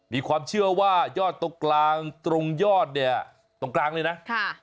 มีความเชื่อว่ายอดตรงกลางตรงยอดเนี่ยตรงกลางเลยนะ